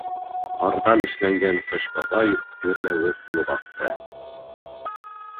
Ҡарҙан эшләнгән Ҡыш бабай гөрләүек булып аҡты.